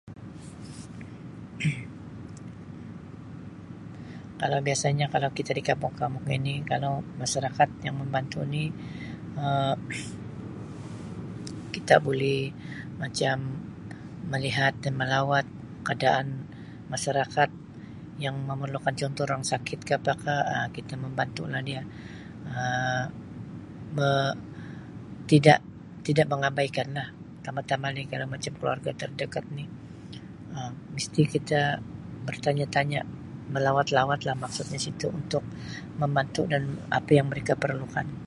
Kalau biasanya kalau kita di kampung-kampung ini kalau masyarakat yang membantu ni Um kita buli macam melihat dan melawat keadaan masyarakat yang memerlukan contoh orang sakit kah apakah kita membantu lah dia Um me tidak tidak mengabaikanlah tambah-tambah lagi kalau macam keluarga terdekat ni Um mesti kita bertanya-tanya melawat-lawatlah maksudnya situ untuk membantu dan apa yang mereka perlukan.